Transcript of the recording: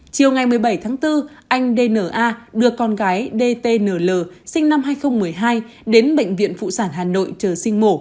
chiều ngày một mươi bảy tháng bốn anh d n a đưa con gái d t n l sinh năm hai nghìn một mươi hai đến bệnh viện phụ sản hà nội chờ sinh mổ